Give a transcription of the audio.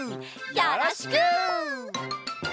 よろしく！